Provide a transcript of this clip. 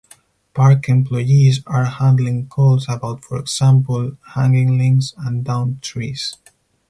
Park employees are handling calls about, for example, hanging limbs and downed trees.